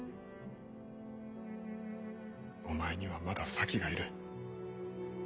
お前にはまだ咲がいる。